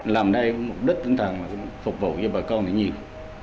làm đây mục đích tính thẳng là phục vụ cho bà con nhiều